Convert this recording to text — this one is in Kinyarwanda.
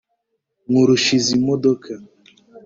nkurusha izi modoka,